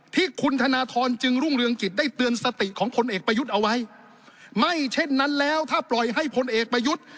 ที่คุณธนทรจึงรุ่งเรืองกิจได้เตือนสติของพลเอกประยุทธ์เอาไว้ไม่เช่นนั้นแล้วถ้าปล่อยให้พลเอกประยุทธ์